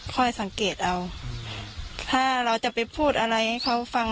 ค่อยสังเกตเอาถ้าเราจะไปพูดอะไรให้เขาฟัง